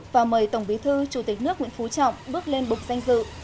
và mời tổng bí thư chủ tịch nước nguyễn phú trọng bước lên bục danh dự